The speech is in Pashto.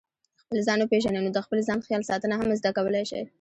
خپل ځان وپېژنئ نو د خپل ځان خیال ساتنه هم زده کولای شئ.